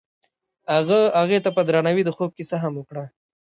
هغه هغې ته په درناوي د خوب کیسه هم وکړه.